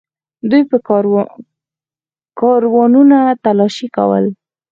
دوی به کاروانونه تالاشي کول.